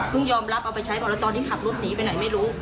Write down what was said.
ยอมรับเอาไปใช้พอแล้วตอนที่ขับรถหนีไปไหนไม่รู้